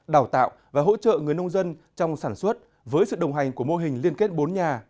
đào tạo và hỗ trợ người nông dân trong sản xuất với sự đồng hành của mô hình liên kết bốn nhà